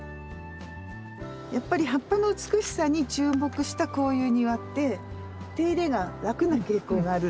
やっぱり葉っぱの美しさに注目したこういう庭って手入れが楽な傾向があるんですよね。